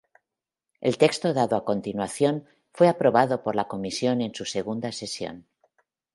El texto dado a continuación fue aprobado por la comisión en su segunda sesión.